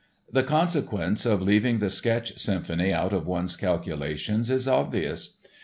The consequence of leaving the Sketch Symphony out of one's calculations is obvious.